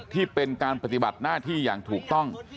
ที่เป็นการปฏิบัติหน้าที่อย่างถูกต้อง